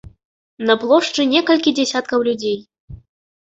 На плошчы некалькі дзясяткаў людзей.